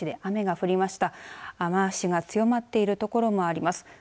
雨足が強まっている所もあります。